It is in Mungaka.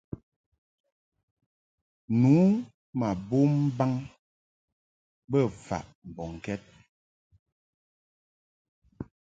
Nu ma bom mbaŋ bə faʼ mbɔŋkɛd.